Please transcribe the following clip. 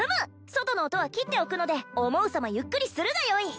外の音は切っておくので思うさまゆっくりするがよい！